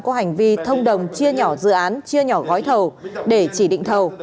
có hành vi thông đồng chia nhỏ dự án chia nhỏ gói thầu để chỉ định thầu